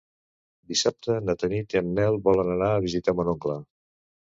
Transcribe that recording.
Dissabte na Tanit i en Nel volen anar a visitar mon oncle.